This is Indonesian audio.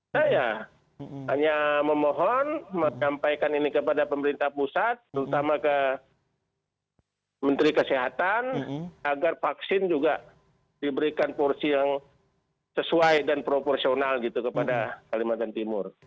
saya hanya memohon menyampaikan ini kepada pemerintah pusat terutama ke menteri kesehatan agar vaksin juga diberikan porsi yang sesuai dan proporsional gitu kepada kalimantan timur